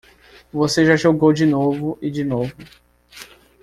Você já jogou de novo e de novo.